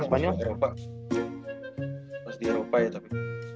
pas di eropa ya tapi